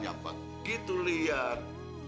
yang begitu liar